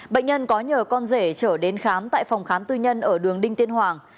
bệnh nhân có nhờ con rể trở đến khám tại phòng khám tư nhân ở đường đinh tiên hoàng